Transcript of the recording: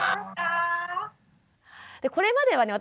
これまではね